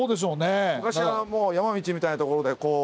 昔はもう山道みたいなところでこう。